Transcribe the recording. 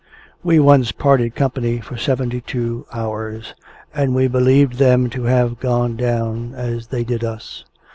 We once parted company for seventy two hours, and we believed them to have gone down, as they did us.